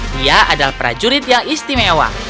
dia adalah prajurit yang istimewa